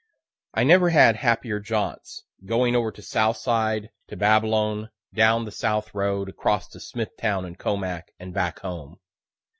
I never had happier jaunts going over to south side, to Babylon, down the south road, across to Smithtown and Comac, and back home.